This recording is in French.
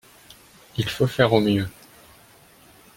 Il faut faire au mieux.